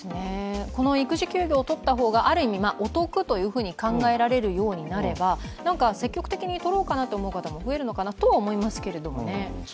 育児休業を取った方がある意味、お得と考えられるようになれば、積極的に取ろうかなと思う方も増えるのかなとは思いますけどね。